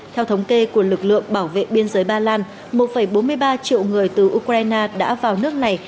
theo thống kê của lực lượng bảo vệ biên giới ba lan một bốn mươi ba triệu người từ ukraine đã vào nước này